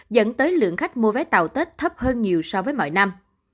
dẫn tới lượng khách mua vé tàu tết thấp hơn nhiều so với mọi năm